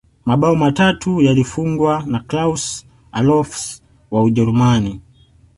mabao matatu yalifungwa na klaus allofs wa ujerumani